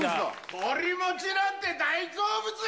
鳥もちなんて、大好物よ。